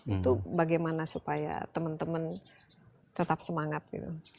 itu bagaimana supaya teman teman tetap semangat gitu